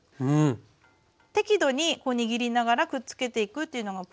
適度に握りながらくっつけていくというのがポイントですね。